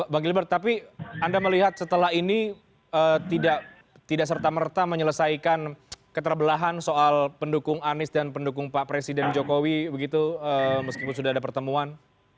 bang gilbert tapi anda melihat setelah ini tidak serta merta menyelesaikan keterbelahan soal pendukung anies dan pendukung pak presiden jokowi begitu meskipun sudah ada pertemuan